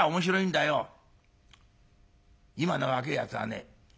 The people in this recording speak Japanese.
今の若えやつはね